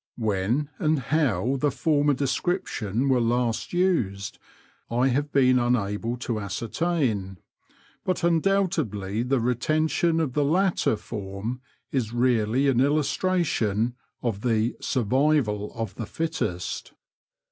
When and how the former description were last used I have been unable to ascertain, but undoubtedly the retention of the latter form is really an illustration of the survival of the fittest."